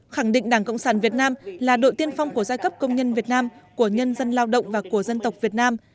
khẳng định đảng cộng sản việt nam là đội tiên phong của giai cấp công nhân việt nam của nhân dân lao động và của dân tộc việt nam